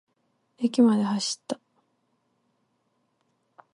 駅まで走った。